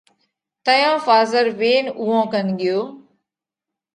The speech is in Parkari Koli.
تئيون ڦازر وينَ اُوئون ڪنَ ڳيو۔